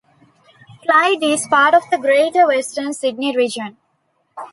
Clyde is part of the Greater Western Sydney region.